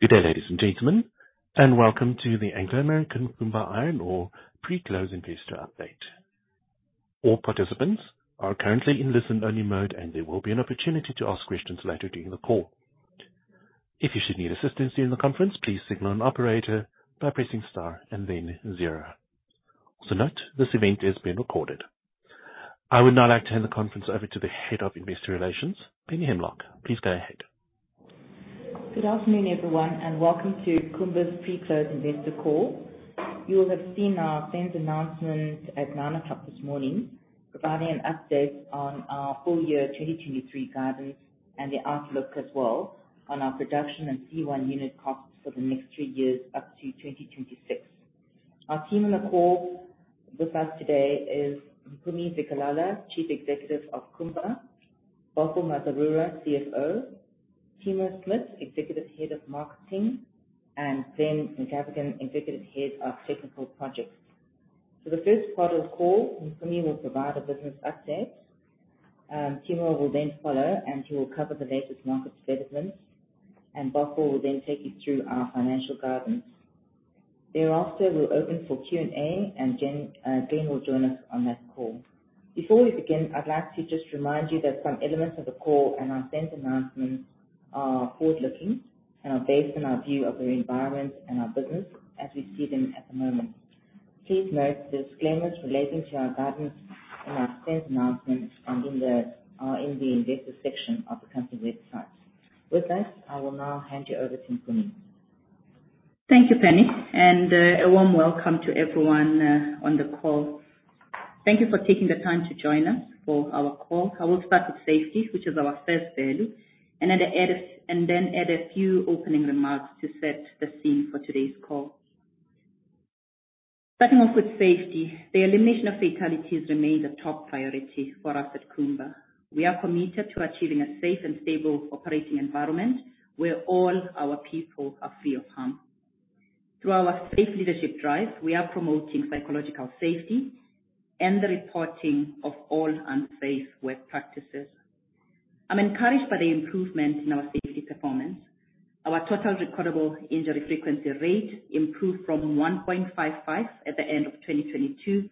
Good day, ladies and gentlemen, and welcome to the Anglo American Kumba Iron Ore pre-closing investor update. All participants are currently in listen-only mode, and there will be an opportunity to ask questions later during the call. If you should need assistance during the conference, please signal an operator by pressing star and then zero. Also, note this event is being recorded. I would now like to hand the conference over to the Head of Investor Relations, Penny Himlok. Please go ahead. Good afternoon, everyone, and welcome to Kumba's pre-close investor call. You'll have seen our SENS announcement at 9:00 A.M. this morning, providing an update on our full year 2023 guidance and the outlook as well on our production and C1 unit costs for the next 3 years up to 2026. Our team on the call with us today is Mpumi Zikalala, Chief Executive of Kumba, Bothwell Mazarura, CFO, Timo Smit, Executive Head of Marketing, and Glen McGavigan, Executive Head of Technical Projects. For the first part of the call, Mpumi will provide a business update, Timo will then follow, and he will cover the latest market developments, and Bothwell will then take you through our financial guidance. Thereafter, we'll open for Q&A, and Glenn will join us on that call. Before we begin, I'd like to just remind you that some elements of the call and our SENS announcement are forward-looking and are based on our view of the environment and our business as we see them at the moment. Please note the disclaimers relating to our guidance and our SENS announcement found in the investor section of the company website. With that, I will now hand you over to Mpumi. Thank you, Penny, and a warm welcome to everyone on the call. Thank you for taking the time to join us for our call. I will start with safety, which is our first value, and then add a few opening remarks to set the scene for today's call. Starting off with safety, the elimination of fatalities remains a top priority for us at Kumba. We are committed to achieving a safe and stable operating environment where all our people are free of harm. Through our safe leadership drive, we are promoting psychological safety and the reporting of all unsafe work practices. I'm encouraged by the improvement in our safety performance. Our total recordable injury frequency rate improved from 1.55 at the end of 2022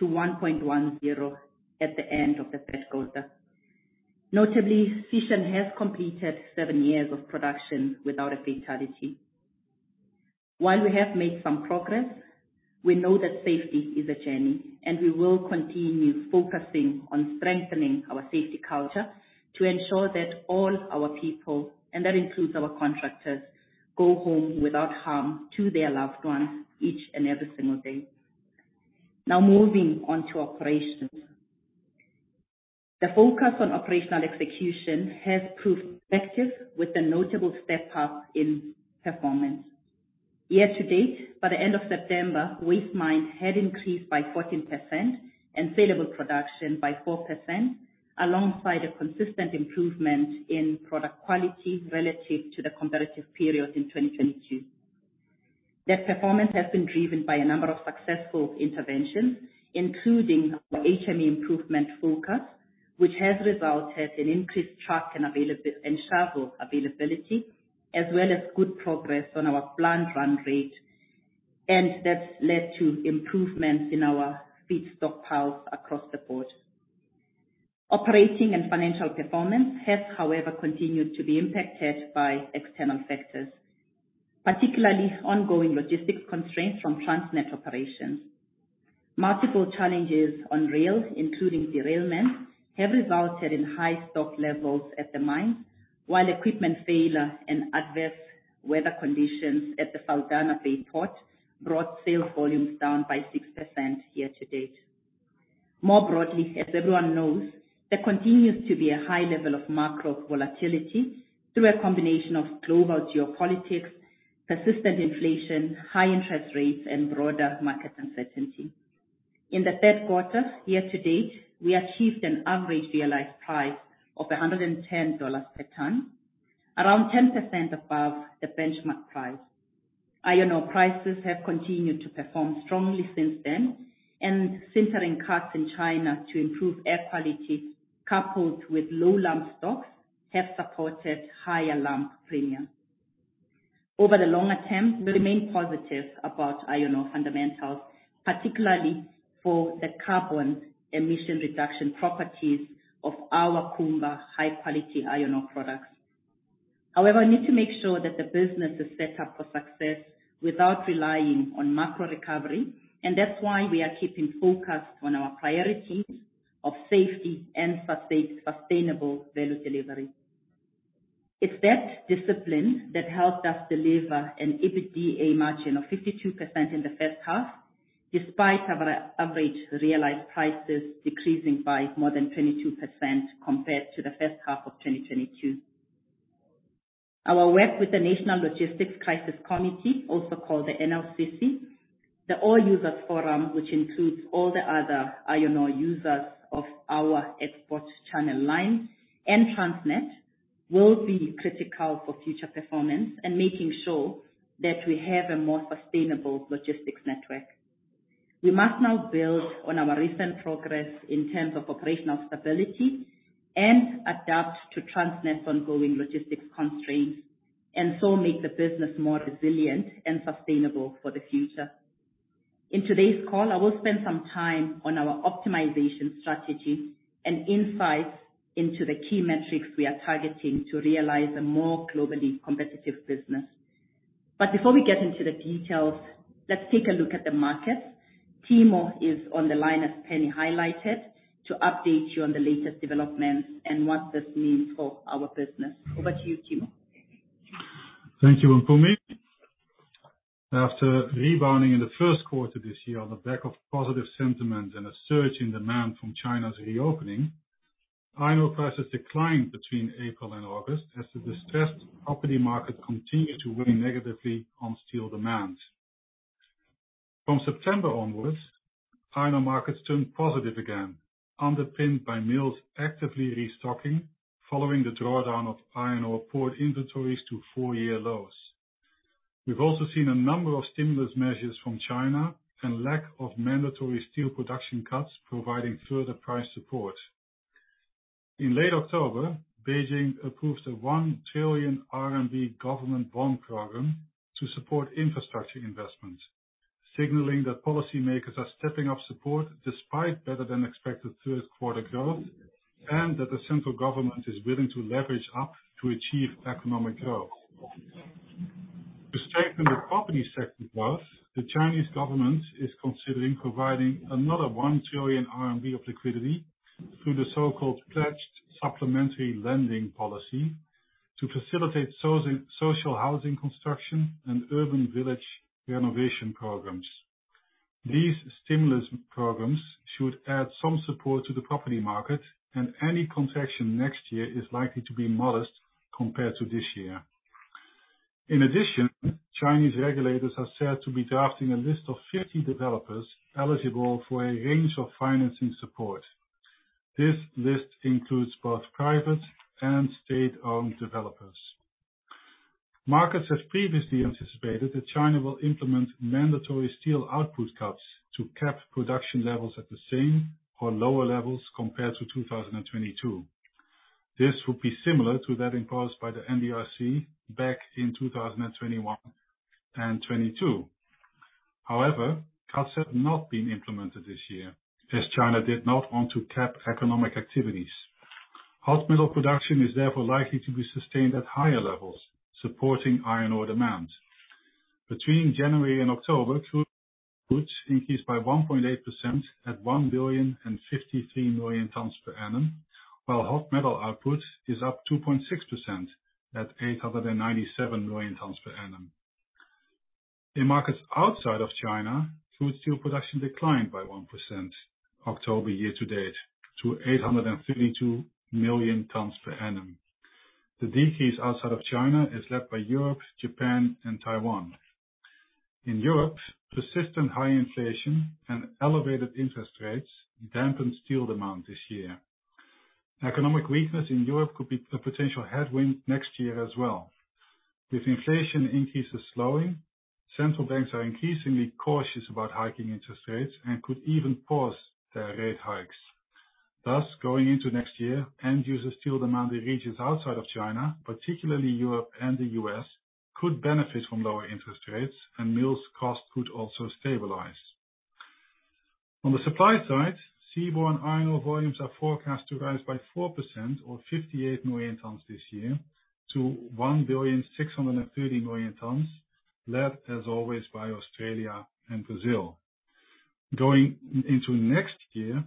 to 1.10 at the end of the first quarter. Notably, Sishen has completed 7 years of production without a fatality. While we have made some progress, we know that safety is a journey, and we will continue focusing on strengthening our safety culture to ensure that all our people, and that includes our contractors, go home without harm to their loved ones each and every single day. Now, moving on to operations. The focus on operational execution has proved effective with a notable step-up in performance. Year to date, by the end of September, waste mined had increased by 14% and saleable production by 4%, alongside a consistent improvement in product quality relative to the comparative period in 2022. That performance has been driven by a number of successful interventions, including our HME improvement focus, which has resulted in increased truck and shovel availability, as well as good progress on our plant run rate, and that's led to improvements in our feedstock piles across the board. Operating and financial performance has, however, continued to be impacted by external factors, particularly ongoing logistics constraints from Transnet operations. Multiple challenges on rails, including derailment, have resulted in high stock levels at the mine, while equipment failure and adverse weather conditions at the Saldanha Bay port brought sales volumes down by 6% year to date. More broadly, as everyone knows, there continues to be a high level of macro volatility through a combination of global geopolitics, persistent inflation, high interest rates, and broader market uncertainty. In the third quarter, year to date, we achieved an average realized price of $110 per ton, around 10% above the benchmark price. Iron ore prices have continued to perform strongly since then, and sintering cuts in China to improve air quality, coupled with low lump stocks, have supported higher lump premium. Over the longer term, we remain positive about iron ore fundamentals, particularly for the carbon emission reduction properties of our Kumba high-quality iron ore products. However, we need to make sure that the business is set up for success without relying on macro recovery, and that's why we are keeping focused on our priorities of safety and sustainable value delivery. It's that discipline that helped us deliver an EBITDA margin of 52% in the first half, despite our average realized prices decreasing by more than 22% compared to the first half of 2022. Our work with the National Logistics Crisis Committee, also called the NLCC, the All Users Forum, which includes all the other iron ore users of our export channel line, and Transnet, will be critical for future performance and making sure that we have a more sustainable logistics network. We must now build on our recent progress in terms of operational stability and adapt to Transnet's ongoing logistics constraints, and so make the business more resilient and sustainable for the future. In today's call, I will spend some time on our optimization strategy and insights into the key metrics we are targeting to realize a more globally competitive business. But before we get into the details, let's take a look at the market. Timo is on the line, as Penny highlighted, to update you on the latest developments and what this means for our business. Over to you, Timo. Thank you, Mpumi. After rebounding in the first quarter this year on the back of positive sentiment and a surge in demand from China's reopening, iron ore prices declined between April and August as the distressed property market continued to weigh negatively on steel demand. From September onwards, iron ore markets turned positive again, underpinned by mills actively restocking following the drawdown of iron ore port inventories to 4-year lows. We've also seen a number of stimulus measures from China and lack of mandatory steel production cuts, providing further price support. In late October, Beijing approved a 1 trillion RMB government bond program to support infrastructure investments, signaling that policymakers are stepping up support despite better than expected third quarter growth, and that the central government is willing to leverage up to achieve economic growth. To strengthen the property sector first, the Chinese government is considering providing another 1 trillion RMB of liquidity through the so-called pledged supplementary lending policy to facilitate social housing construction and urban village renovation programs. These stimulus programs should add some support to the property market, and any contraction next year is likely to be modest compared to this year. In addition, Chinese regulators are said to be drafting a list of 50 developers eligible for a range of financing support. This list includes both private and state-owned developers. Markets have previously anticipated that China will implement mandatory steel output cuts to cap production levels at the same or lower levels compared to 2022. This would be similar to that imposed by the NDRC back in 2021 and 2022. However, cuts have not been implemented this year, as China did not want to cap economic activities. Hot metal production is therefore likely to be sustained at higher levels, supporting iron ore demand. Between January and October, throughputs increased by 1.8% at 1,053 million tons per annum, while hot metal output is up 2.6% at 897 million tons per annum. In markets outside of China, crude steel production declined by 1% October year to date, to 852 million tons per annum. The decrease outside of China is led by Europe, Japan, and Taiwan. In Europe, persistent high inflation and elevated interest rates dampened steel demand this year. Economic weakness in Europe could be a potential headwind next year as well. With inflation increases slowing, central banks are increasingly cautious about hiking interest rates and could even pause their rate hikes. Thus, going into next year, end user steel demand in regions outside of China, particularly Europe and the U.S., could benefit from lower interest rates, and mills cost could also stabilize. On the supply side, seaborne iron ore volumes are forecast to rise by 4% or 58 million tons this year to 1,630 million tons, led as always, by Australia and Brazil. Going into next year,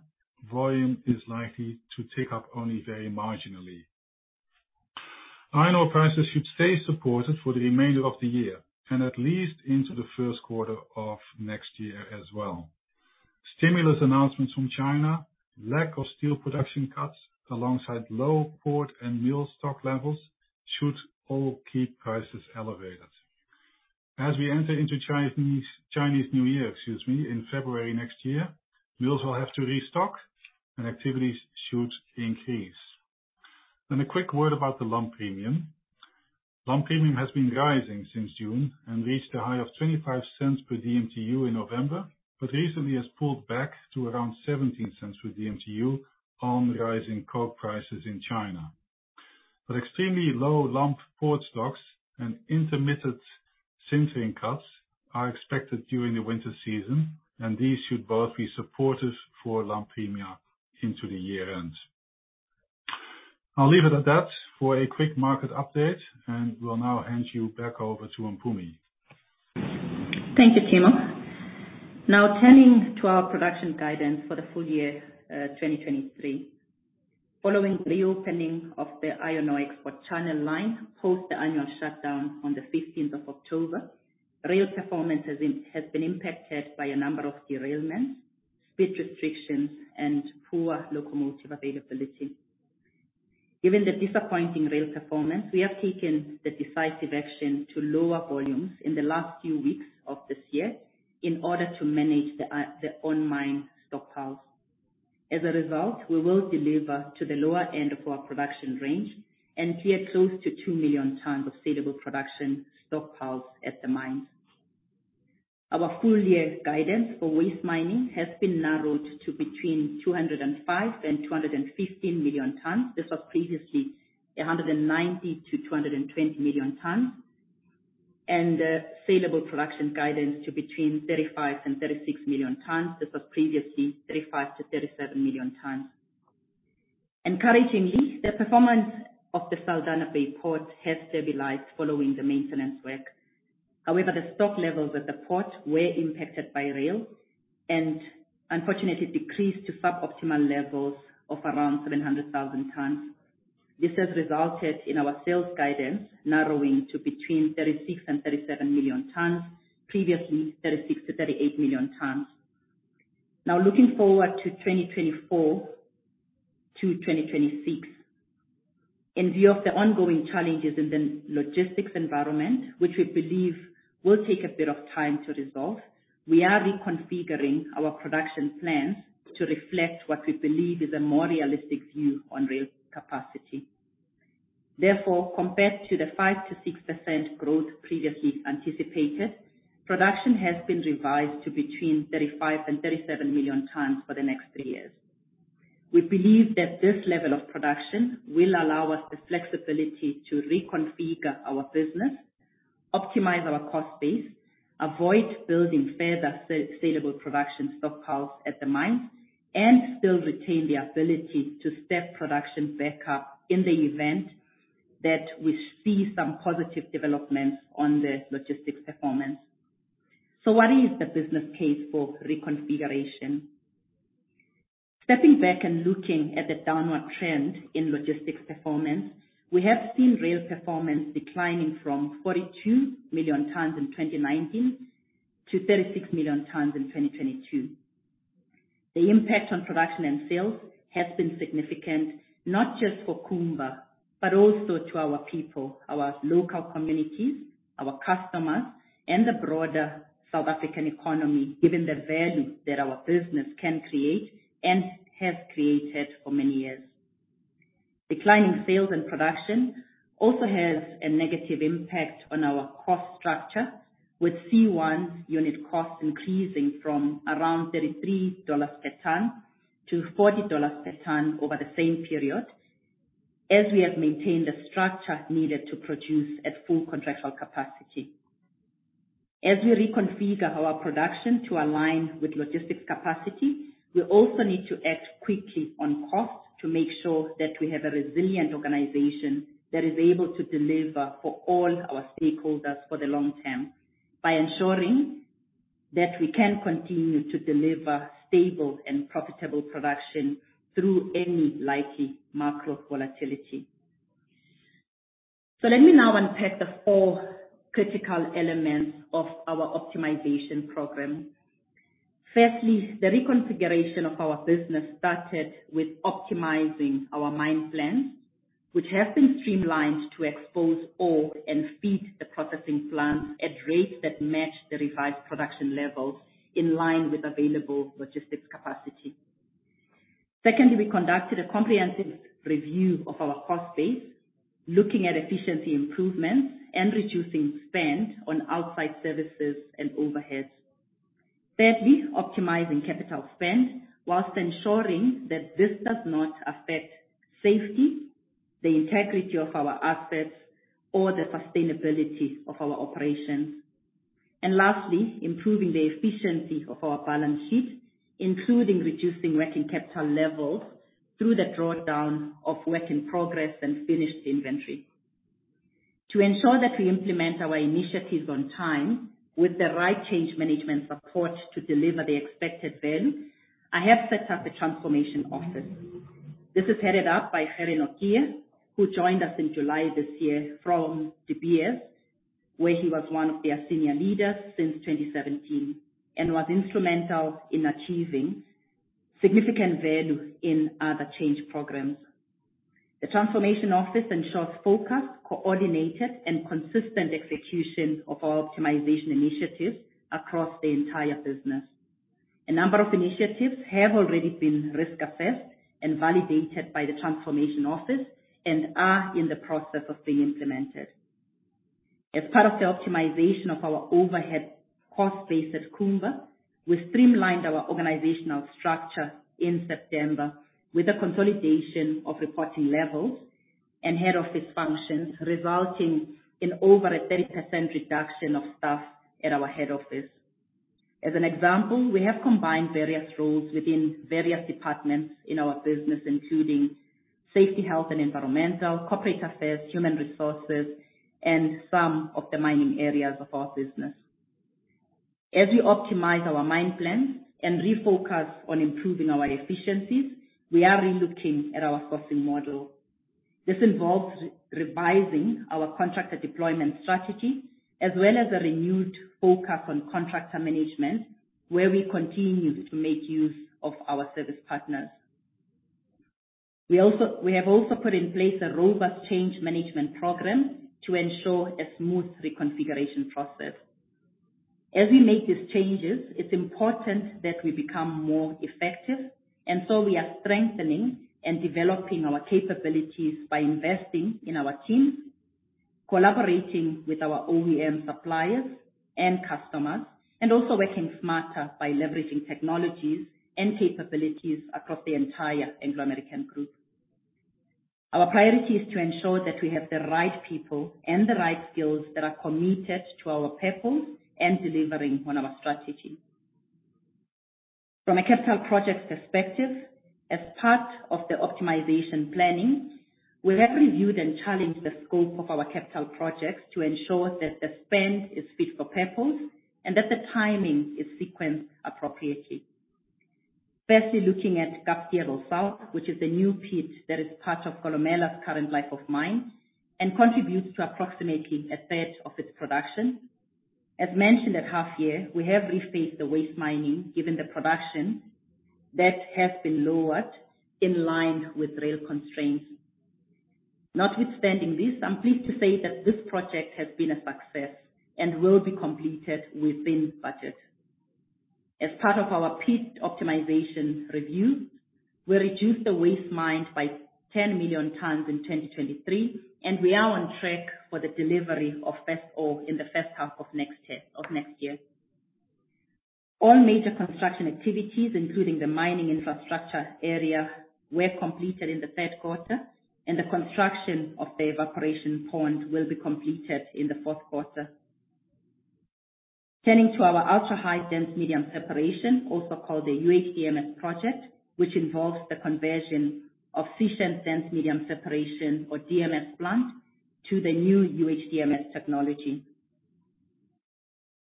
volume is likely to tick up only very marginally. Iron ore prices should stay supported for the remainder of the year and at least into the first quarter of next year as well. Stimulus announcements from China, lack of steel production cuts, alongside low port and mill stock levels, should all keep prices elevated. As we enter into Chinese New Year, excuse me, in February next year, mills will have to restock and activities should increase. Then a quick word about the lump premium. Lump premium has been rising since June and reached a high of $0.25 per DMTU in November, but recently has pulled back to around $0.17 per DMTU on rising coke prices in China. But extremely low lump port stocks and intermittent sintering cuts are expected during the winter season, and these should both be supportive for lump premium into the year-end. I'll leave it at that for a quick market update, and will now hand you back over to Mpumi. Thank you, Timo. Now, turning to our production guidance for the full year, 2023. Following the reopening of the iron ore export channel line post the annual shutdown on the 15th of October, rail performance has been impacted by a number of derailments, speed restrictions, and poor locomotive availability. Given the disappointing rail performance, we have taken the decisive action to lower volumes in the last few weeks of this year in order to manage the on-mine stockpiles. As a result, we will deliver to the lower end of our production range and clear close to 2 million tons of saleable production stockpiles at the mine. Our full year guidance for waste mining has been narrowed to between 205 and 215 million tons. This was previously 190-220 million tons, and saleable production guidance to between 35-36 million tons. This was previously 35-37 million tons. Encouragingly, the performance of the Saldanha Bay port has stabilized following the maintenance work. However, the stock levels at the port were impacted by rail, and unfortunately decreased to suboptimal levels of around 700,000 tons. This has resulted in our sales guidance narrowing to between 36-37 million tons, previously 36-38 million tons. Now, looking forward to 2024-2026, in view of the ongoing challenges in the logistics environment, which we believe will take a bit of time to resolve, we are reconfiguring our production plans to reflect what we believe is a more realistic view on rail capacity. Therefore, compared to the 5%-6% growth previously anticipated, production has been revised to between 35 and 37 million tons for the next three years. We believe that this level of production will allow us the flexibility to reconfigure our business, optimize our cost base, avoid building further saleable production stockpiles at the mine, and still retain the ability to step production back up in the event that we see some positive developments on the logistics performance. So what is the business case for reconfiguration? Stepping back and looking at the downward trend in logistics performance, we have seen rail performance declining from 42 million tons in 2019 to 36 million tons in 2022. The impact on production and sales has been significant, not just for Kumba, but also to our people, our local communities, our customers, and the broader South African economy, given the value that our business can create and has created for many years. Declining sales and production also has a negative impact on our cost structure, with C1 unit costs increasing from around $33 per ton to $40 per ton over the same period, as we have maintained a structure needed to produce at full contractual capacity. As we reconfigure our production to align with logistics capacity, we also need to act quickly on cost to make sure that we have a resilient organization that is able to deliver for all our stakeholders for the long term, by ensuring that we can continue to deliver stable and profitable production through any likely macro volatility. Let me now unpack the four critical elements of our optimization program. Firstly, the reconfiguration of our business started with optimizing our mine plans, which have been streamlined to expose ore and feed the processing plant at rates that match the revised production levels in line with available logistics capacity. Secondly, we conducted a comprehensive review of our cost base, looking at efficiency improvements and reducing spend on outside services and overhead. Thirdly, optimizing capital spend while ensuring that this does not affect safety, the integrity of our assets or the sustainability of our operations. Lastly, improving the efficiency of our balance sheet, including reducing working capital levels through the drawdown of work in progress and finished inventory. To ensure that we implement our initiatives on time with the right change management support to deliver the expected value, I have set up a transformation office. This is headed up by Gert Nortje, who joined us in July this year from De Beers, where he was one of their senior leaders since 2017, and was instrumental in achieving significant value in other change programs. The transformation office ensures focused, coordinated, and consistent execution of our optimization initiatives across the entire business. A number of initiatives have already been risk assessed and validated by the transformation office and are in the process of being implemented. As part of the optimization of our overhead cost base at Kumba, we streamlined our organizational structure in September with a consolidation of reporting levels and head office functions, resulting in over 30% reduction of staff at our head office. As an example, we have combined various roles within various departments in our business, including safety, health and environmental, corporate affairs, human resources, and some of the mining areas of our business. As we optimize our mine plans and refocus on improving our efficiencies, we are relooking at our sourcing model. This involves re-revising our contractor deployment strategy, as well as a renewed focus on contractor management, where we continue to make use of our service partners.... We also - we have also put in place a robust change management program to ensure a smooth reconfiguration process. As we make these changes, it's important that we become more effective, and so we are strengthening and developing our capabilities by investing in our teams, collaborating with our OEM suppliers and customers, and also working smarter by leveraging technologies and capabilities across the entire Anglo American group. Our priority is to ensure that we have the right people and the right skills that are committed to our purpose and delivering on our strategy. From a capital projects perspective, as part of the optimization planning, we have reviewed and challenged the scope of our capital projects to ensure that the spend is fit for purpose and that the timing is sequenced appropriately. Firstly, looking at Kapstevel South, which is the new pit that is part of Kolomela's current life of mine, and contributes to approximately a third of its production. As mentioned at half year, we have rephased the waste mining, given the production that has been lowered in line with rail constraints. Notwithstanding this, I'm pleased to say that this project has been a success and will be completed within budget. As part of our pit optimization review, we reduced the waste mine by 10 million tons in 2023, and we are on track for the delivery of first ore in the first half of next year, of next year. All major construction activities, including the mining infrastructure area, were completed in the third quarter, and the construction of the evaporation pond will be completed in the fourth quarter. Turning to our ultra-high dense medium separation, also called the UHDMS project, which involves the conversion of Sishen's dense medium separation, or DMS plant, to the new UHDMS technology.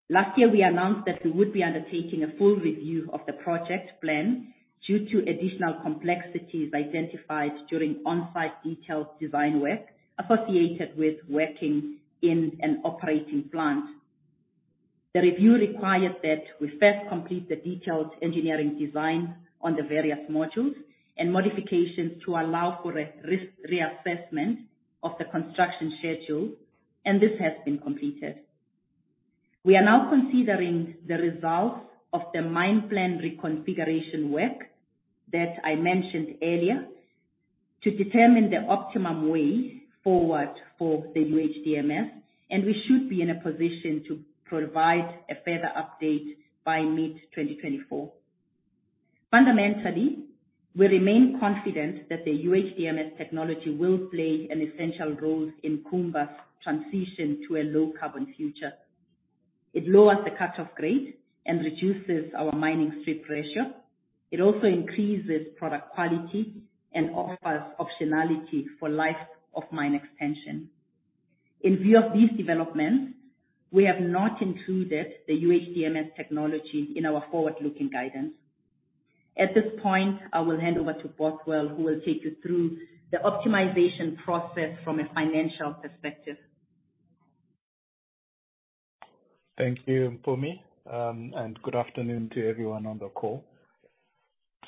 Last year, we announced that we would be undertaking a full review of the project plan due to additional complexities identified during on-site detailed design work associated with working in an operating plant. The review required that we first complete the detailed engineering design on the various modules and modifications to allow for a risk reassessment of the construction schedule, and this has been completed. We are now considering the results of the mine plan reconfiguration work that I mentioned earlier, to determine the optimum way forward for the UHDMS, and we should be in a position to provide a further update by mid-2024. Fundamentally, we remain confident that the UHDMS technology will play an essential role in Kumba's transition to a low carbon future. It lowers the cut-off grade and reduces our mining strip ratio. It also increases product quality and offers optionality for life of mine expansion. In view of these developments, we have not included the UHDMS technology in our forward-looking guidance. At this point, I will hand over to Bothwell, who will take you through the optimization process from a financial perspective. Thank you, Mpumi, and good afternoon to everyone on the call.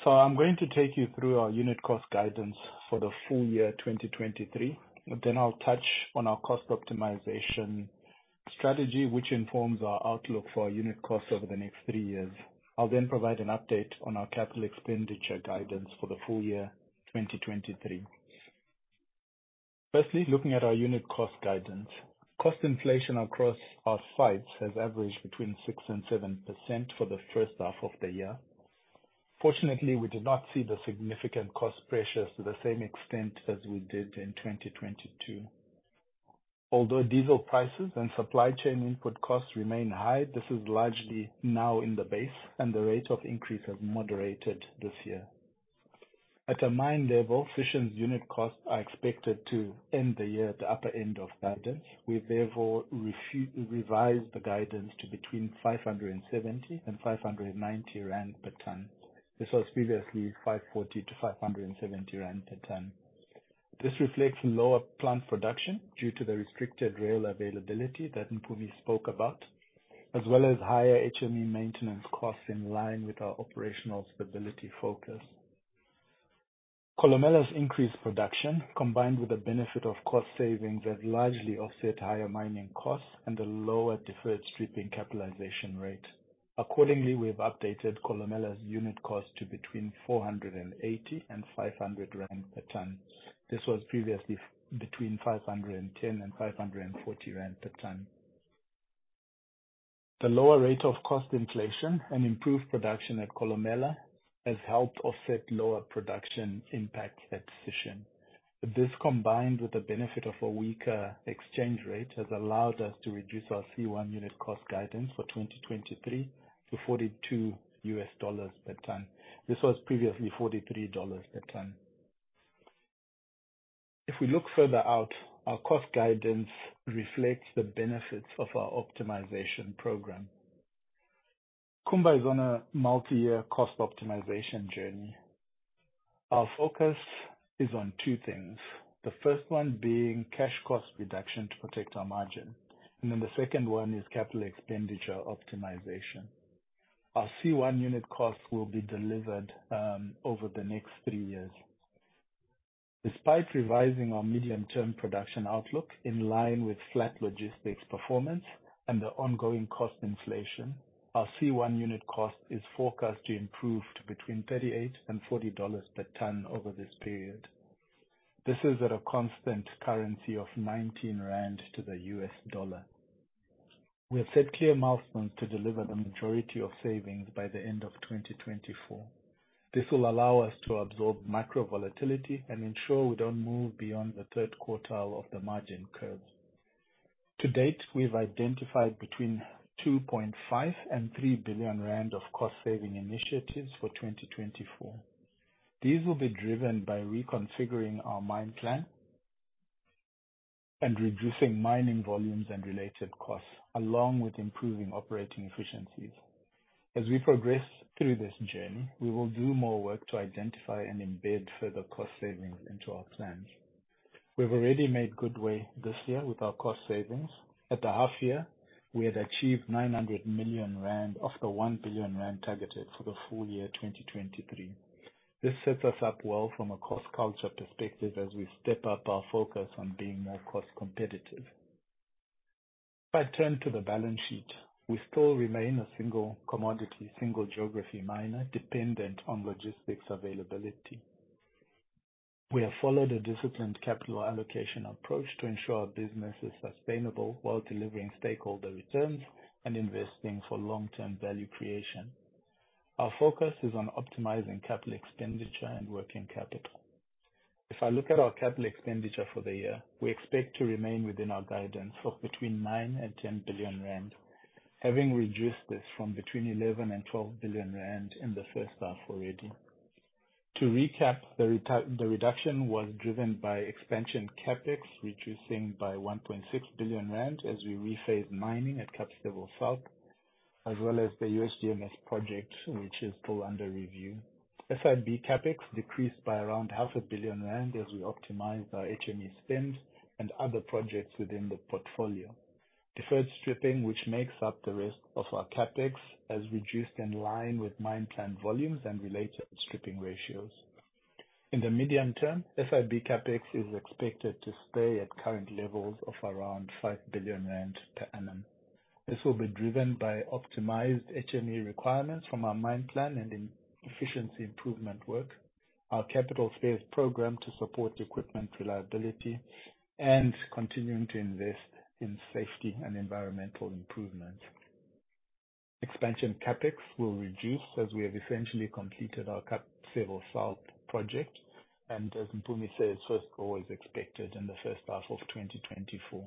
So I'm going to take you through our unit cost guidance for the full year 2023. Then I'll touch on our cost optimization strategy, which informs our outlook for our unit costs over the next three years. I'll then provide an update on our capital expenditure guidance for the full year 2023. First, looking at our unit cost guidance. Cost inflation across our sites has averaged between 6%-7% for the first half of the year. Fortunately, we did not see the significant cost pressures to the same extent as we did in 2022. Although diesel prices and supply chain input costs remain high, this is largely now in the base, and the rate of increase has moderated this year. At a mine level, Sishen's unit costs are expected to end the year at the upper end of guidance. We've therefore revised the guidance to between 570 and 590 rand per ton. This was previously 540 to 570 rand per ton. This reflects lower plant production due to the restricted rail availability that Mpumi spoke about, as well as higher HME maintenance costs in line with our operational stability focus. Kolomela's increased production, combined with the benefit of cost savings, have largely offset higher mining costs and a lower deferred stripping capitalization rate. Accordingly, we've updated Kolomela's unit cost to between 480 and 500 rand per ton. This was previously between 510 and 540 rand per ton. The lower rate of cost inflation and improved production at Kolomela has helped offset lower production impacts at Sishen. This, combined with the benefit of a weaker exchange rate, has allowed us to reduce our C1 unit cost guidance for 2023 to $42 per ton. This was previously $43 per ton. If we look further out, our cost guidance reflects the benefits of our optimization program. Kumba is on a multi-year cost optimization journey. Our focus is on two things, the first one being cash cost reduction to protect our margin, and then the second one is capital expenditure optimization. Our C1 unit cost will be delivered over the next three years. Despite revising our medium-term production outlook in line with flat logistics performance and the ongoing cost inflation, our C1 Unit Cost is forecast to improve to between $38 and $40 per ton over this period. This is at a constant currency of 19 rand to the US dollar. We have set clear milestones to deliver the majority of savings by the end of 2024. This will allow us to absorb macro volatility and ensure we don't move beyond the third quartile of the margin curve. To date, we've identified between 2.5 billion and 3 billion rand of cost saving initiatives for 2024. These will be driven by reconfiguring our mine plan and reducing mining volumes and related costs, along with improving operating efficiencies. As we progress through this journey, we will do more work to identify and embed further cost savings into our plans. We've already made good way this year with our cost savings. At the half year, we had achieved 900 million rand of the 1 billion rand targeted for the full year 2023. This sets us up well from a cost culture perspective as we step up our focus on being more cost competitive. If I turn to the balance sheet, we still remain a single commodity, single geography miner, dependent on logistics availability. We have followed a disciplined capital allocation approach to ensure our business is sustainable while delivering stakeholder returns and investing for long-term value creation. Our focus is on optimizing capital expenditure and working capital. If I look at our capital expenditure for the year, we expect to remain within our guidance of between 9 billion and 10 billion rand, having reduced this from between 11 billion and 12 billion rand in the first half already. To recap, the reduction was driven by expansion CapEx, reducing by 1.6 billion rand as we rephase mining at Kapstevel South, as well as the UHDMS project, which is still under review. SIB CapEx decreased by around 0.5 billion rand as we optimized our HME spends and other projects within the portfolio. Deferred stripping, which makes up the rest of our CapEx, has reduced in line with mine plan volumes and related stripping ratios. In the medium term, SIB CapEx is expected to stay at current levels of around 5 billion rand per annum. This will be driven by optimized HME requirements from our mine plan and efficiency improvement work, our capital spares program to support equipment reliability, and continuing to invest in safety and environmental improvements. Expansion CapEx will reduce, as we have essentially completed our Kapstevel South project, and as Mpumi said, first coal is expected in the first half of 2024.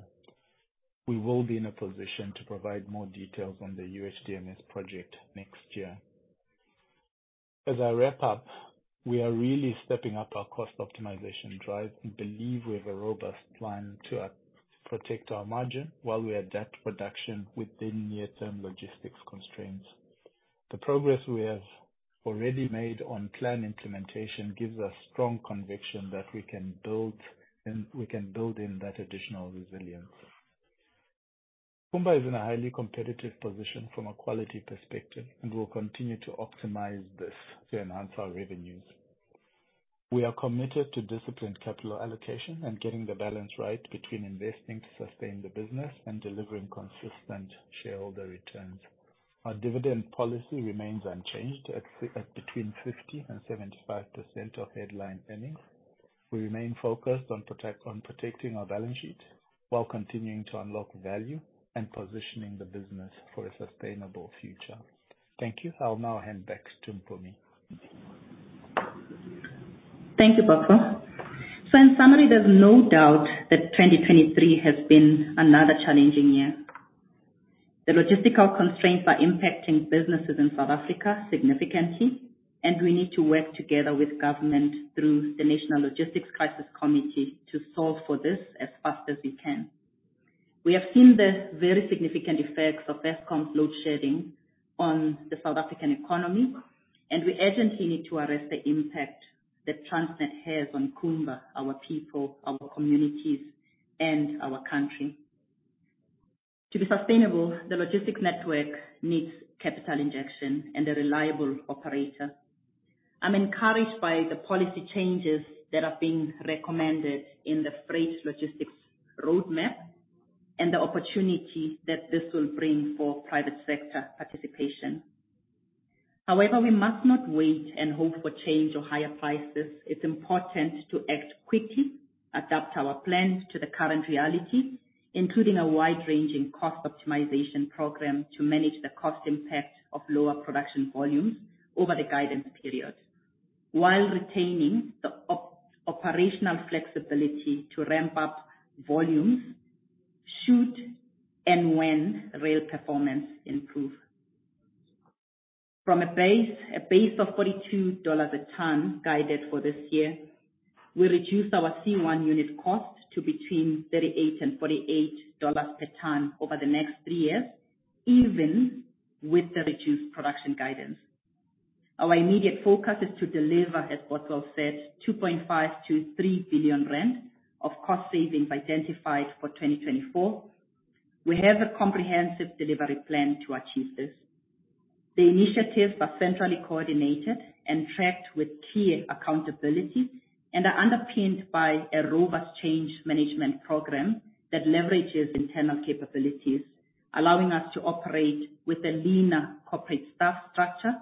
We will be in a position to provide more details on the UHDMS project next year. As I wrap up, we are really stepping up our cost optimization drive and believe we have a robust plan to protect our margin while we adapt production within near-term logistics constraints. The progress we have already made on plan implementation gives us strong conviction that we can build, and we can build in that additional resilience. Kumba is in a highly competitive position from a quality perspective, and we'll continue to optimize this to enhance our revenues. We are committed to disciplined capital allocation and getting the balance right between investing to sustain the business and delivering consistent shareholder returns. Our dividend policy remains unchanged at between 50% and 75% of headline earnings. We remain focused on protecting our balance sheet while continuing to unlock value and positioning the business for a sustainable future. Thank you. I'll now hand back to Mpumi. Thank you, Bothwell. So in summary, there's no doubt that 2023 has been another challenging year. The logistical constraints are impacting businesses in South Africa significantly, and we need to work together with government through the National Logistics Crisis Committee to solve for this as fast as we can. We have seen the very significant effects of Eskom's load shedding on the South African economy, and we urgently need to arrest the impact that Transnet has on Kumba, our people, our communities, and our country. To be sustainable, the logistics network needs capital injection and a reliable operator. I'm encouraged by the policy changes that are being recommended in the Freight Logistics Roadmap, and the opportunities that this will bring for private sector participation. However, we must not wait and hope for change or higher prices. It's important to act quickly, adapt our plans to the current reality, including a wide-ranging cost optimization program to manage the cost impact of lower production volumes over the guidance period, while retaining the operational flexibility to ramp up volumes should and when rail performance improve. From a base, a base of $42 a ton guided for this year, we reduced our C1 unit cost to between $38-$48 per ton over the next three years, even with the reduced production guidance. Our immediate focus is to deliver, as Bothwell said, 2.5 billion-3 billion rand of cost savings identified for 2024. We have a comprehensive delivery plan to achieve this. The initiatives are centrally coordinated and tracked with key accountability, and are underpinned by a robust change management program that leverages internal capabilities, allowing us to operate with a leaner corporate staff structure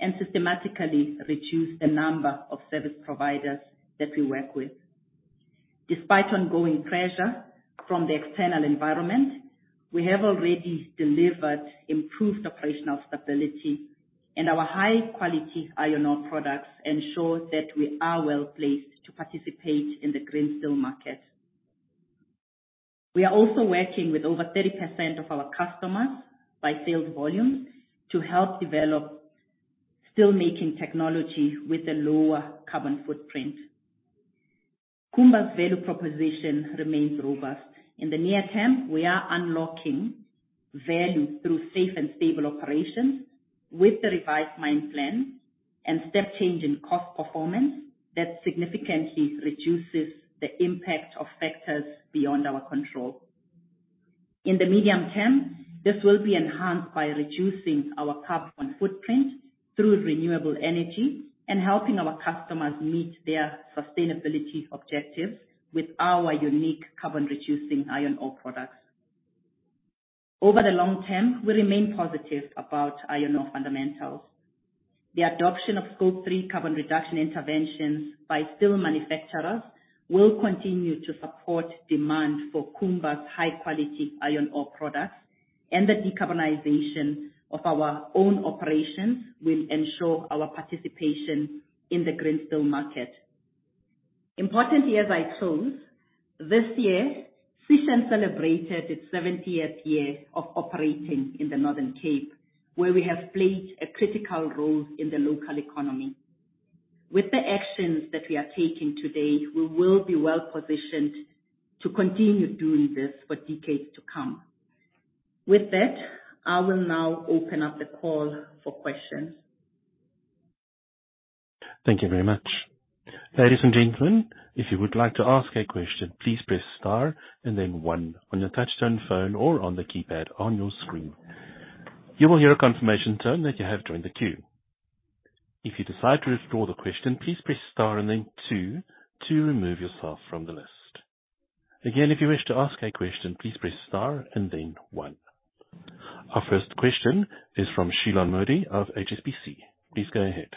and systematically reduce the number of service providers that we work with. Despite ongoing pressure from the external environment, we have already delivered improved operational stability, and our high quality iron ore products ensure that we are well-placed to participate in the green steel market. We are also working with over 30% of our customers, by sales volumes, to help develop steelmaking technology with a lower carbon footprint. Kumba's value proposition remains robust. In the near term, we are unlocking value through safe and stable operations with the revised mine plan and step change in cost performance that significantly reduces the impact of factors beyond our control. In the medium term, this will be enhanced by reducing our carbon footprint through renewable energy and helping our customers meet their sustainability objectives with our unique carbon-reducing iron ore products. Over the long term, we remain positive about iron ore fundamentals. The adoption of Scope 3 carbon reduction interventions by steel manufacturers will continue to support demand for Kumba's high quality iron ore products, and the decarbonization of our own operations will ensure our participation in the green steel market. Importantly, as I close, this year, Sishen celebrated its seventieth year of operating in the Northern Cape, where we have played a critical role in the local economy. With the actions that we are taking today, we will be well positioned to continue doing this for decades to come. With that, I will now open up the call for questions. Thank you very much. Ladies and gentlemen, if you would like to ask a question, please press star and then one on your touchtone phone or on the keypad on your screen. You will hear a confirmation tone that you have joined the queue. If you decide to withdraw the question, please press star and then two to remove yourself from the list. Again, if you wish to ask a question, please press star and then one. Our first question is from Shilan Modi of HSBC. Please go ahead.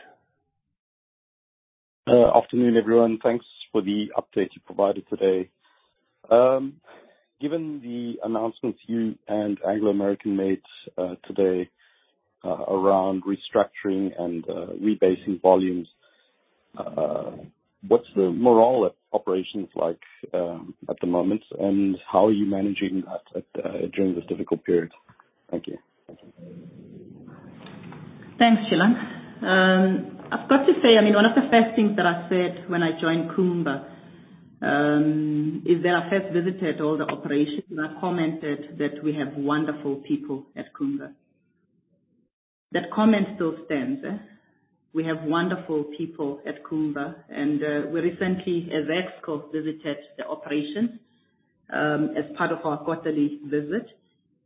Afternoon, everyone. Thanks for the update you provided today. Given the announcements you and Anglo American made today around restructuring and rebasing volumes, what's the morale at operations like at the moment? And how are you managing that during this difficult period? Thank you. Thanks, Shilan. I've got to say, I mean, one of the first things that I said when I joined Kumba is that I first visited all the operations, and I commented that we have wonderful people at Kumba. That comment still stands. We have wonderful people at Kumba, and we recently, as ExCo, visited the operations as part of our quarterly visit,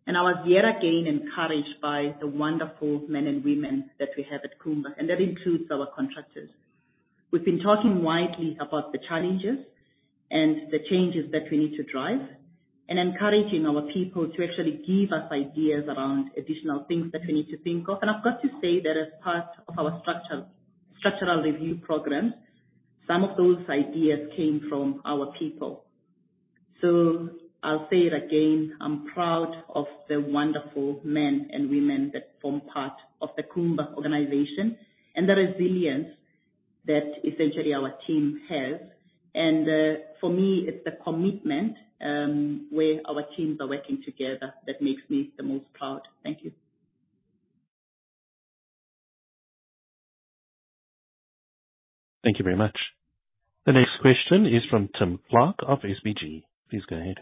and I was yet again encouraged by the wonderful men and women that we have at Kumba, and that includes our contractors. We've been talking widely about the challenges and the changes that we need to drive and encouraging our people to actually give us ideas around additional things that we need to think of. I've got to say that as part of our structural review program, some of those ideas came from our people. So I'll say it again: I'm proud of the wonderful men and women that form part of the Kumba organization and the resilience that essentially our team has. And, for me, it's the commitment, where our teams are working together that makes me the most proud. Thank you. Thank you very much. The next question is from Tim Clark of SBG. Please go ahead.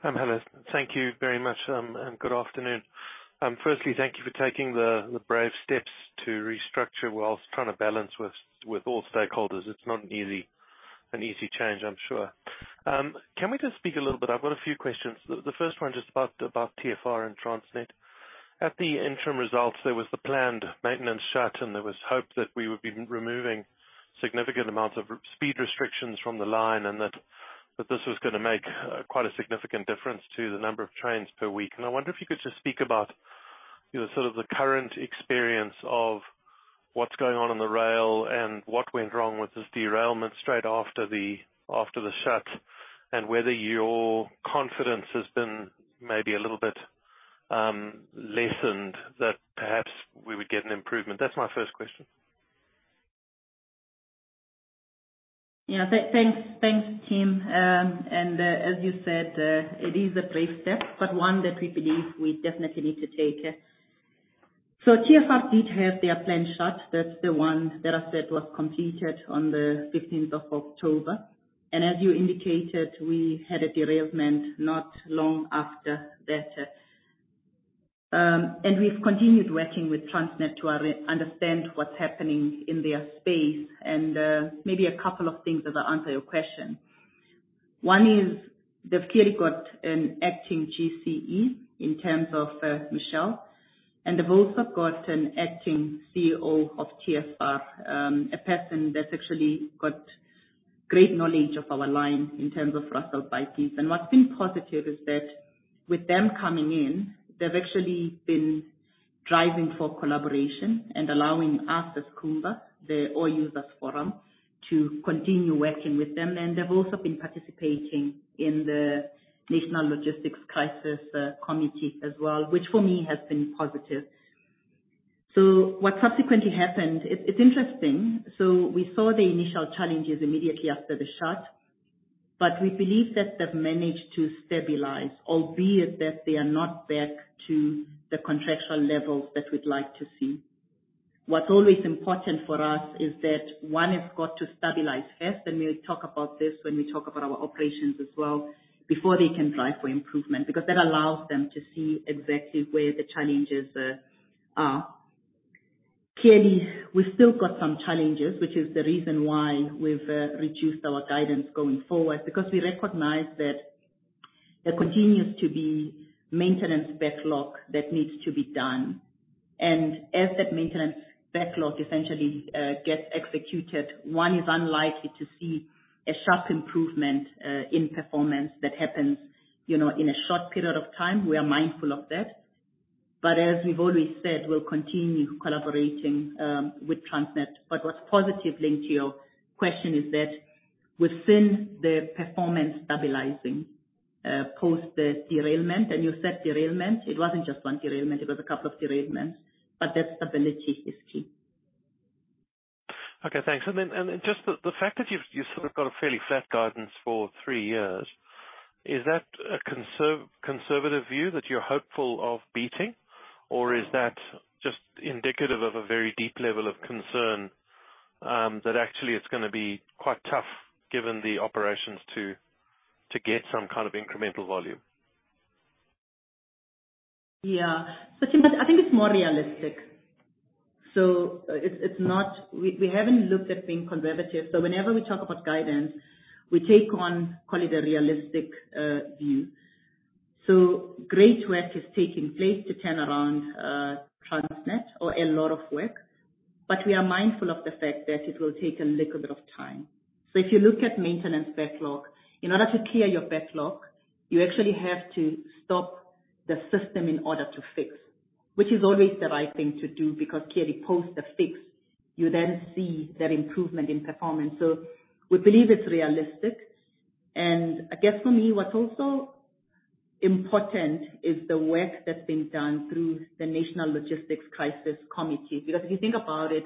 Hello. Thank you very much, and good afternoon. First, thank you for taking the brave steps to restructure while trying to balance with all stakeholders. It's not an easy change, I'm sure. Can we just speak a little bit? I've got a few questions. The first one just about TFR and Transnet. At the interim results, there was the planned maintenance shut, and there was hope that we would be removing significant amounts of speed restrictions from the line, and that this was gonna make quite a significant difference to the number of trains per week. I wonder if you could just speak about, you know, sort of the current experience of what's going on on the rail and what went wrong with this derailment straight after the, after the shut, and whether your confidence has been maybe a little bit, lessened, that perhaps we would get an improvement? That's my first question. Yeah. Thanks, Tim. And, as you said, it is a brave step, but one that we believe we definitely need to take. So TFR did have their planned shut. That's the one that I said was completed on the fifteenth of October. And as you indicated, we had a derailment not long after that. And we've continued working with Transnet to re-understand what's happening in their space. And, maybe a couple of things as I answer your question. One is, they've clearly got an acting GCE in terms of Michelle, and they've also got an acting CEO of TFR. A person that's actually got great knowledge of our line in terms of Russell Baatijes. What's been positive is that with them coming in, they've actually been driving for collaboration and allowing us, as Kumba, the Ore Users Forum, to continue working with them. They've also been participating in the National Logistics Crisis Committee as well, which for me, has been positive. So what subsequently happened, it's interesting. So we saw the initial challenges immediately after the shut, but we believe that they've managed to stabilize, albeit that they are not back to the contractual levels that we'd like to see. What's always important for us is that one has got to stabilize first, and we'll talk about this when we talk about our operations as well, before they can drive for improvement, because that allows them to see exactly where the challenges are. Clearly, we've still got some challenges, which is the reason why we've reduced our guidance going forward. Because we recognize that there continues to be maintenance backlog that needs to be done. As that maintenance backlog essentially gets executed, one is unlikely to see a sharp improvement in performance that happens, you know, in a short period of time. We are mindful of that. As we've always said, we'll continue collaborating with Transnet. What's positive, linked to your question, is that within the performance stabilizing post the derailment, and you said derailment, it wasn't just one derailment, it was a couple of derailments, but that stability is key. Okay, thanks. And then just the fact that you've sort of got a fairly flat guidance for three years, is that a conservative view that you're hopeful of beating? Or is that just indicative of a very deep level of concern that actually it's gonna be quite tough, given the operations to get some kind of incremental volume? Yeah. So Tim, I think it's more realistic. So it's, it's not... We, we haven't looked at being conservative. So whenever we talk about guidance, we take on, call it a realistic, view. So great work is taking place to turn around, Transnet or a lot of work, but we are mindful of the fact that it will take a little bit of time. So if you look at maintenance backlog, in order to clear your backlog, you actually have to stop the system in order to fix, which is always the right thing to do, because clearly post the fix, you then see that improvement in performance. So we believe it's realistic. And I guess for me, what's also important is the work that's been done through the National Logistics Crisis Committee. Because if you think about it,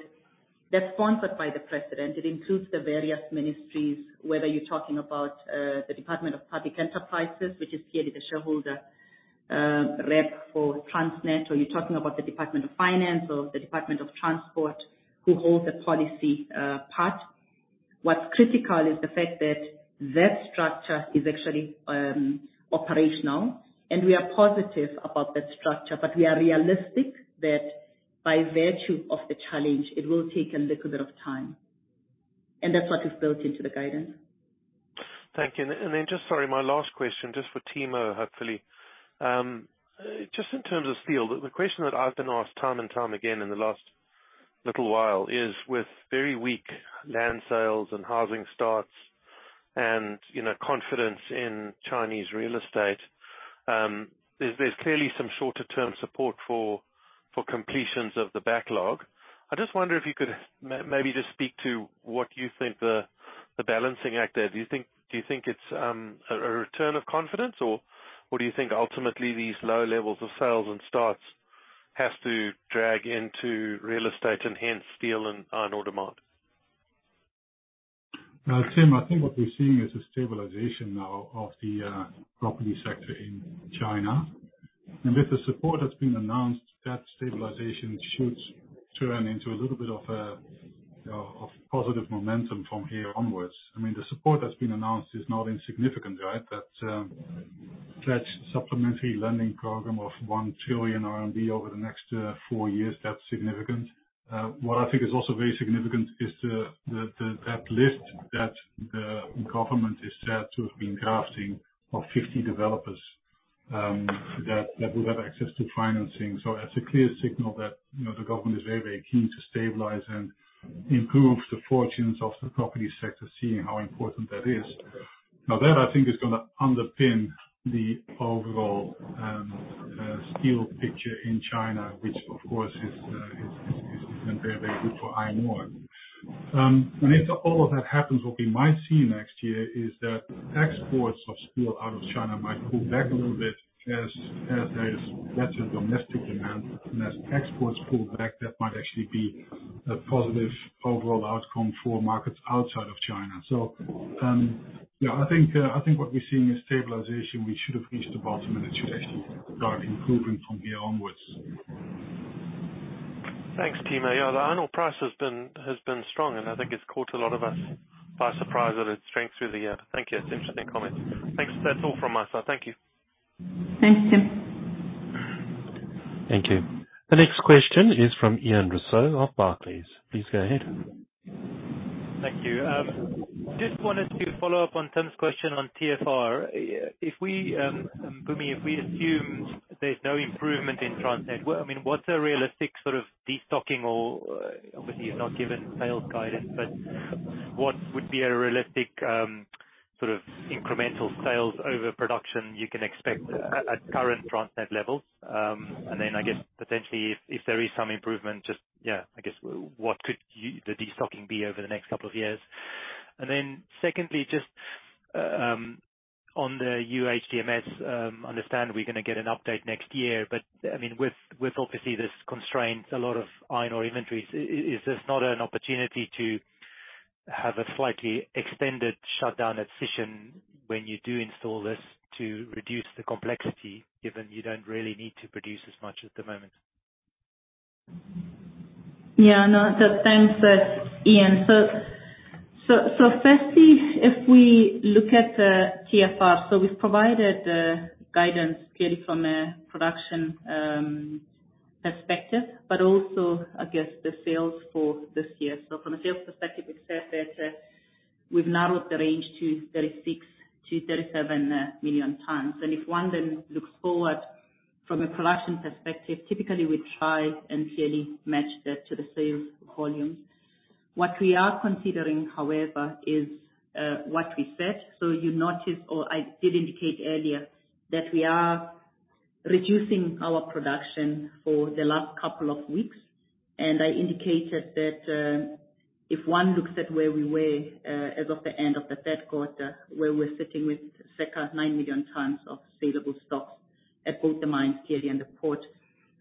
that's sponsored by the president. It includes the various ministries, whether you're talking about the Department of Public Enterprises, which is clearly the shareholder rep for Transnet, or you're talking about the Department of Finance or the Department of Transport, who holds the policy part. What's critical is the fact that that structure is actually operational, and we are positive about that structure. But we are realistic that by virtue of the challenge, it will take a little bit of time, and that's what is built into the guidance. Thank you. And then, just sorry, my last question, just for Timo, hopefully. Just in terms of steel, the question that I've been asked time and time again in the last little while is, with very weak land sales and housing starts and, you know, confidence in Chinese real estate, there's clearly some shorter term support for completions of the backlog. I just wonder if you could maybe just speak to what you think the balancing act there. Do you think it's a return of confidence? Or do you think ultimately these low levels of sales and starts has to drag into real estate and hence steel and iron ore demand? Tim, I think what we're seeing is a stabilization now of the property sector in China. And with the support that's been announced, that stabilization should turn into a little bit of positive momentum from here onwards. I mean, the support that's been announced is not insignificant, right? That supplementary lending program of 1 trillion RMB over the next 4 years, that's significant. What I think is also very significant is that list that the government is said to have been drafting of 50 developers that will have access to financing. So that's a clear signal that, you know, the government is very, very keen to stabilize and improve the fortunes of the property sector, seeing how important that is. Now, that I think is gonna underpin the overall steel picture in China, which of course is very, very good for iron ore. And if all of that happens, what we might see next year is that exports of steel out of China might pull back a little bit as there is better domestic demand. And as exports pull back, that might actually be a positive overall outcome for markets outside of China. So, yeah, I think what we're seeing is stabilization. We should have reached the bottom, and it should actually start improving from here onwards. Thanks, Tim. Yeah, the iron ore price has been, has been strong, and I think it's caught a lot of us by surprise at its strength through the year. Thank you. It's interesting comment. Thanks. That's all from my side. Thank you. Thank you. Thank you. The next question is from Ian Rossouw of Barclays. Please go ahead. Thank you. Just wanted to follow up on Tim's question on TFR. If we, Mpumi, if we assume there's no improvement in Transnet, what, I mean, what's a realistic sort of destocking or obviously you've not given sales guidance, but what would be a realistic, sort of incremental sales over production you can expect at, at current Transnet levels? And then I guess potentially if, if there is some improvement, just, yeah, I guess what could you-- the destocking be over the next couple of years? And then secondly, just on the UHDMS, understand we're gonna get an update next year, but I mean, with obviously this constraint, a lot of iron ore inventories, is this not an opportunity to have a slightly extended shutdown at Sishen when you do install this, to reduce the complexity, given you don't really need to produce as much at the moment? Yeah. No, so thanks, Ian. So, firstly, if we look at TFR, so we've provided guidance clearly from a production perspective, but also I guess the sales for this year. So from a sales perspective, we've said that we've narrowed the range to 36-37 million tons. And if one then looks forward from a production perspective, typically we try and clearly match that to the sales volume. What we are considering, however, is what we said. So you noticed or I did indicate earlier that we are reducing our production for the last couple of weeks, and I indicated that, if one looks at where we were, as of the end of the third quarter, where we're sitting with circa 9 million tons of salable stock at both the mines, clearly, and the port,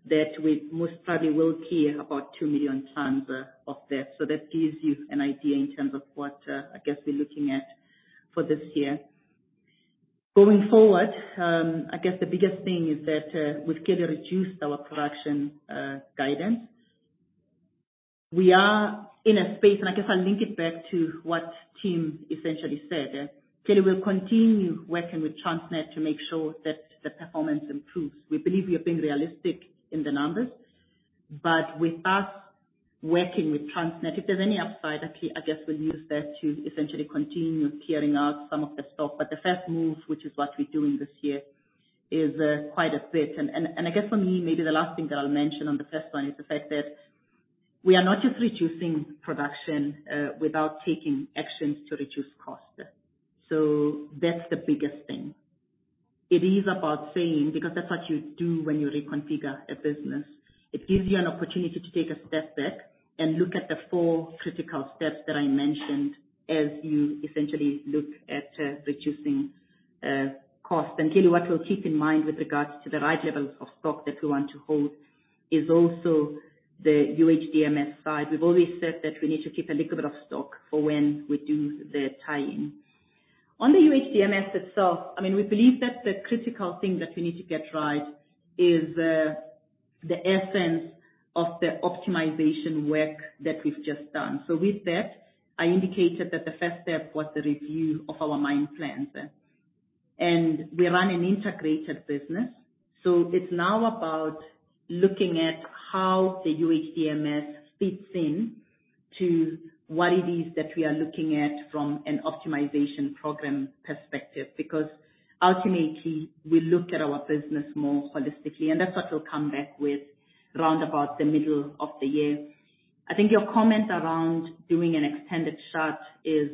that we most probably will clear about 2 million tons of that. So that gives you an idea in terms of what, I guess we're looking at for this year. Going forward, I guess the biggest thing is that, we've clearly reduced our production guidance. We are in a space, and I guess I'll link it back to what Tim essentially said, clearly we're continue working with Transnet to make sure that the performance improves. We believe we are being realistic in the numbers, but with us working with Transnet, if there's any upside, I think, I guess we'll use that to essentially continue clearing out some of the stock. But the first move, which is what we're doing this year, is quite a bit. And I guess for me, maybe the last thing that I'll mention on the first one is the fact that we are not just reducing production without taking actions to reduce cost. So that's the biggest thing. It is about saying, because that's what you do when you reconfigure a business. It gives you an opportunity to take a step back and look at the four critical steps that I mentioned as you essentially look at reducing cost. Clearly, what we'll keep in mind with regards to the right levels of stock that we want to hold is also the UHDMS side. We've always said that we need to keep a little bit of stock for when we do the tie-in. On the UHDMS itself, I mean, we believe that the critical thing that we need to get right is the essence of the optimization work that we've just done. So with that, I indicated that the first step was the review of our mine plans. And we run an integrated business, so it's now about looking at how the UHDMS fits in to what it is that we are looking at from an optimization program perspective. Because ultimately, we looked at our business more holistically, and that's what we'll come back with round about the middle of the year. I think your comment around doing an extended shut is.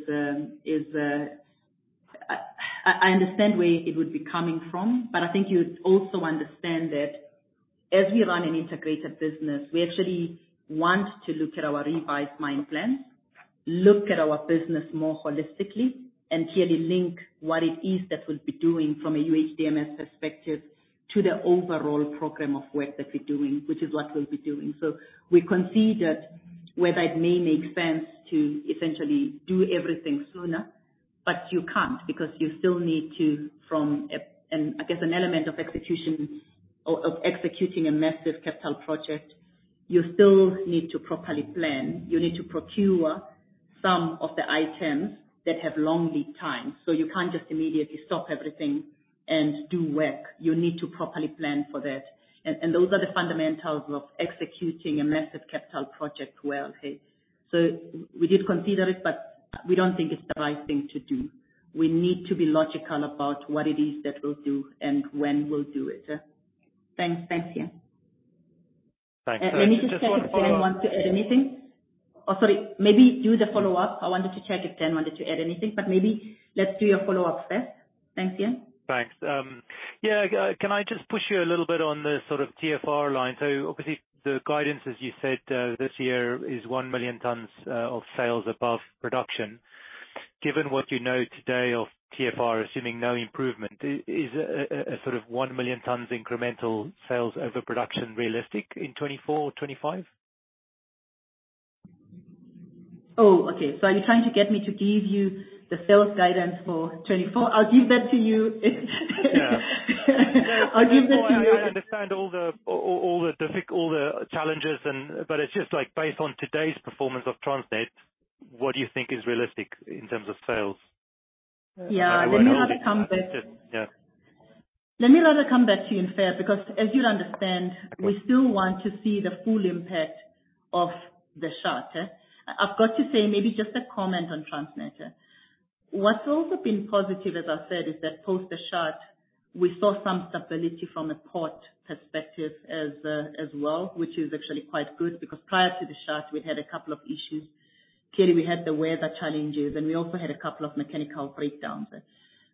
I understand where it would be coming from, but I think you'd also understand that as we run an integrated business, we actually want to look at our revised mine plans, look at our business more holistically, and clearly link what it is that we'll be doing from a UHDMS perspective to the overall program of work that we're doing, which is what we'll be doing. So we consider whether it may make sense to essentially do everything sooner, but you can't, because you still need to from an, I guess, an element of execution or of executing a massive capital project, you still need to properly plan. You need to procure some of the items that have long lead time, so you can't just immediately stop everything and do work. You need to properly plan for that. Those are the fundamentals of executing a massive capital project well. So we did consider it, but we don't think it's the right thing to do. We need to be logical about what it is that we'll do and when we'll do it. Thanks. Thanks, Ian. Thanks- Let me just check if Glen wants to add anything. Oh, sorry. Maybe do the follow-up. I wanted to check if Glen wanted to add anything, but maybe let's do your follow-up first. Thanks, Ian. Thanks. Can I just push you a little bit on the sort of TFR line? Obviously the guidance, as you said, this year is 1,000,000 tons of sales above production. Given what you know today of TFR, assuming no improvement, is a sort of 1,000,000 tons incremental sales overproduction realistic in 2024 or 2025? Oh, okay. So are you trying to get me to give you the sales guidance for 2024? I'll give that to you. Yeah. I'll give that to you. I understand all the challenges and, but it's just, like, based on today's performance of Transnet, what do you think is realistic in terms of sales? Yeah. Let me rather come back- Yeah. Let me rather come back to you in Q4, because as you'll understand- Okay. We still want to see the full impact of the shut. I've got to say, maybe just a comment on Transnet. What's also been positive, as I said, is that post the shut, we saw some stability from a port perspective as well, which is actually quite good, because prior to the shut, we had a couple of issues. Clearly, we had the weather challenges, and we also had a couple of mechanical breakdowns.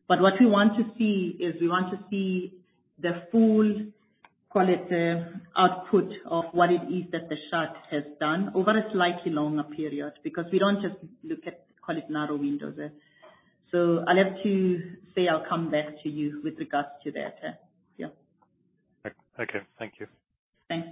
But what we want to see is, we want to see the full quality output of what it is that the shut has done over a slightly longer period, because we don't just look at quite narrow windows there. So I'll have to say, I'll come back to you with regards to that, yeah. Okay. Thank you. Thanks.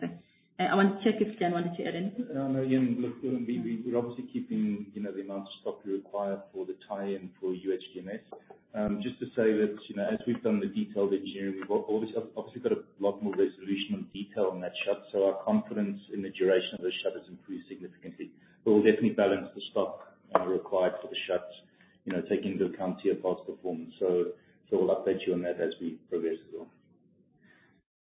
I want to check if Glen wanted to add anything. No, Ian, look, we, we're obviously keeping, you know, the amount of stock required for the tie-in for UHDMS. Just to say that, you know, as we've done the detailed engineering, we've obviously got a lot more resolution and detail on that shut, so our confidence in the duration of the shut has increased significantly. But we'll definitely balance the stock required for the shuts, you know, taking into account your past performance. So we'll update you on that as we progress as well.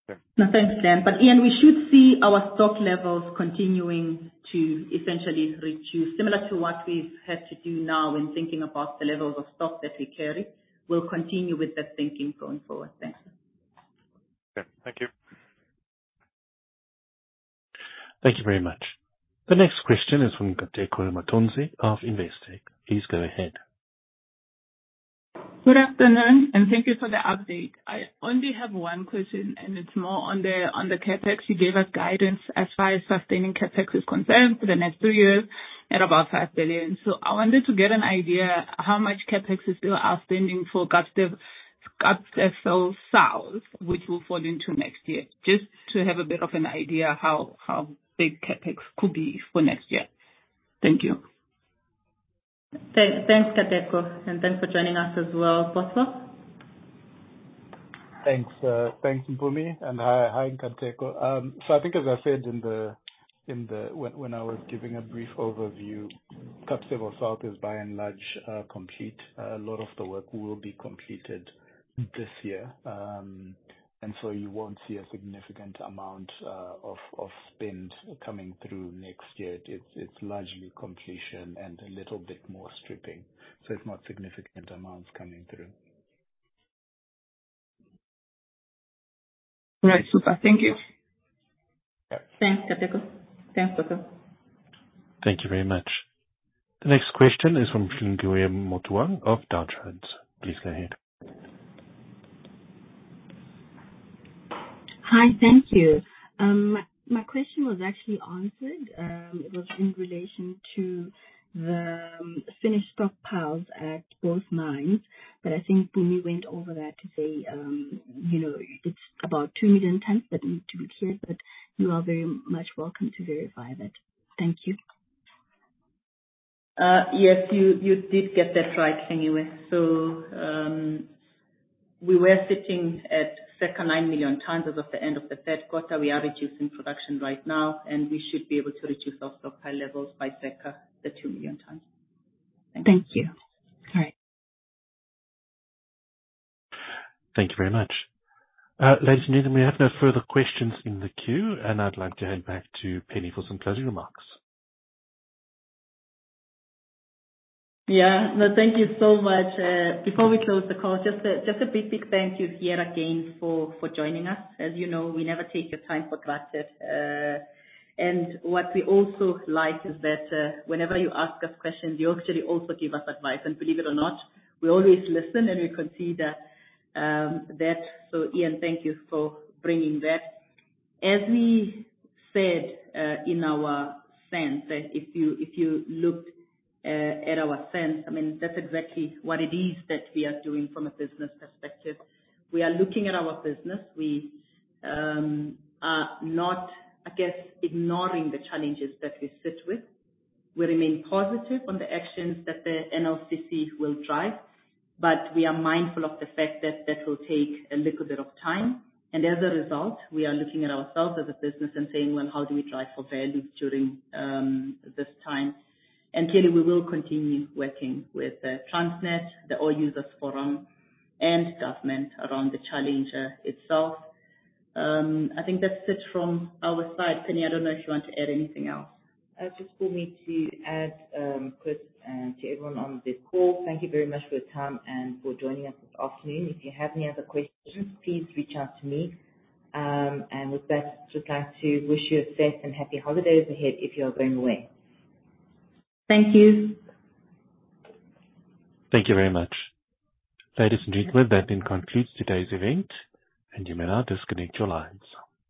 Okay. No, thanks, Glen. But Ian, we should see our stock levels continuing to essentially reduce, similar to what we've had to do now when thinking about the levels of stock that we carry. We'll continue with that thinking going forward. Thanks. Okay. Thank you. Thank you very much. The next question is from Nkateko Mathonsi of Investec. Please go ahead. Good afternoon, and thank you for the update. I only have one question, and it's more on the, on the CapEx. You gave us guidance as far as sustaining CapEx is concerned for the next two years at about 5 billion. So I wanted to get an idea how much CapEx is still outstanding for Kapstevel South, which will fall into next year. Just to have a bit of an idea how, how big CapEx could be for next year. Thank you. Thanks, Nkateko, and thanks for joining us as well. Bothwell? Thanks, thanks, Mpumi, and hi, hi, Nkateko. So I think, as I said in the... When I was giving a brief overview, Kapstevel South is by and large complete. A lot of the work will be completed this year. And so you won't see a significant amount of spend coming through next year. It's largely completion and a little bit more stripping, so it's not significant amounts coming through. Right. Super. Thank you. Thanks, Nkateko. Thanks, Bothwell. Thank you very much. The next question is from Phileka Motsoang of Deutsche Bank. Please go ahead. Hi, thank you. My question was actually answered. It was in relation to the finished stockpiles at both mines, but I think Mpumi went over that to say, you know, it's about 2 million tons that need to be cleared, but you are very much welcome to verify that. Thank you. Yes, you did get that right, Phileka. So, we were sitting at 29 million tons as of the end of the third quarter. We are reducing production right now, and we should be able to reduce our stockpile levels by circa 2 million tons. Thank you. All right. Thank you very much. Ladies and gentlemen, we have no further questions in the queue, and I'd like to hand back to Penny for some closing remarks. Yeah. Well, thank you so much. Before we close the call, just a, just a big, big thank you here again for, for joining us. As you know, we never take your time for granted. And what we also like is that, whenever you ask us questions, you actually also give us advice. And believe it or not, we always listen, and we consider that. So Ian, thank you for bringing that. As we said, in our SENS, that if you, if you looked, at our SENS, I mean, that's exactly what it is that we are doing from a business perspective. We are looking at our business. We are not, I guess, ignoring the challenges that we sit with. We remain positive on the actions that the NLCC will drive, but we are mindful of the fact that that will take a little bit of time. And as a result, we are looking at ourselves as a business and saying: Well, how do we drive for value during this time? And clearly, we will continue working with Transnet, the Ore Users Forum, and government around the challenge itself. I think that's it from our side. Penny, I don't know if you want to add anything else. Just for me to add, Chris, and to everyone on this call, thank you very much for your time and for joining us this afternoon. If you have any other questions, please reach out to me. And with that, just like to wish you a safe and happy holidays ahead if you are going away. Thank you. Thank you very much. Ladies and gentlemen, that then concludes today's event, and you may now disconnect your lines.